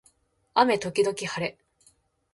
雨時々はれ